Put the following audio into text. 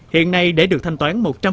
hiện nay để được thanh toán một trăm linh